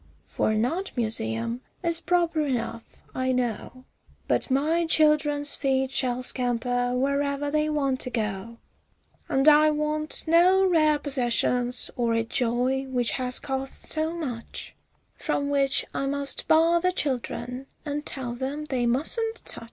for an art museum, is proper enough, I know, But my children's feet shall scamper wherever they want to go, And I want no rare possessions or a joy which has cost so much, From which I must bar the children and tell them they "mustn't touch."